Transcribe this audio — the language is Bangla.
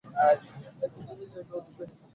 একদিন তুমি জেগে উঠবে।